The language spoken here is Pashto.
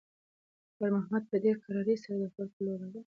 خیر محمد په ډېرې کرارۍ سره د کور په لور روان شو.